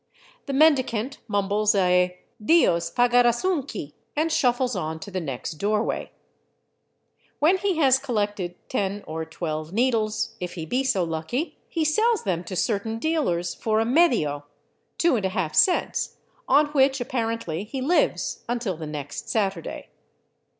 The mendicant mumbles a " Dios pagarasunqui," and shuffles on to the next doorway. When he has collected ten or twelve needles, if he be so lucky, he sells them to certain dealers for a medio (2^/2 390 THE ROUTE OF THE CONQUISTADORES cents), on which, apparently, he lives until the next Saturday.